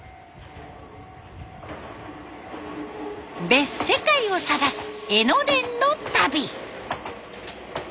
「別世界」を探す江ノ電の旅。